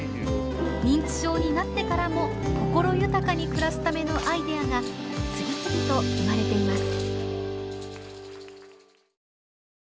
認知症になってからも心豊かに暮らすためのアイデアが次々と生まれています。